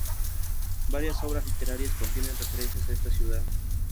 Varias obras literarias contienen referencias a esta ciudad.